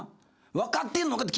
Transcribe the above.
分かってんのかって！